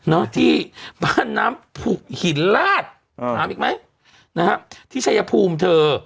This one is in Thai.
ที่บ้านน้ำผุหินลาดถามอีกไหมนะฮะที่ชายภูมิเธอ